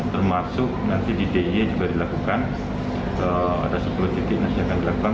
termasuk nanti di d i y juga dilakukan ada sepuluh titik nanti akan dilakukan